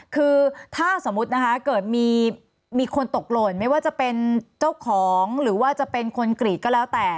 คือถ้าสมมุตินะคะเกิดมีคนตกหล่นไม่ว่าจะเป็นเจ้าของหรือว่าจะเป็นคนกรีดก็แล้วแต่